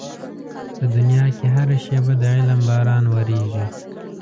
په دنيا کې هره شېبه د علم باران ورېږي.